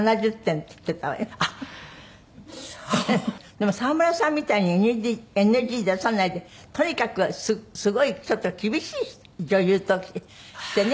でも沢村さんみたいにＮＧ出さないでとにかくすごいちょっと厳しい女優としてね